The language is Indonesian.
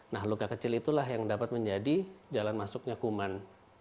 nah luka kecil itulah yang dapat menjadi jalan masuknya kuman